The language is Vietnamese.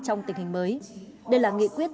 trong tình hình mới đây là nghị quyết